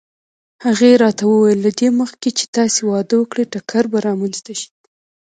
هغې راته وویل: له دې مخکې چې تاسې واده وکړئ ټکر به رامنځته شي.